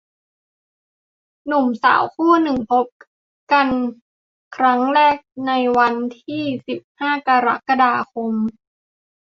หนุ่มสาวคู่หนึ่งพบกันครั้งแรกในวันที่ สิบห้า กรกฎาคม